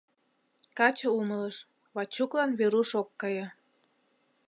Каче умылыш: Вачуклан Веруш ок кае.